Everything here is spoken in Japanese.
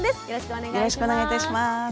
よろしくお願いします。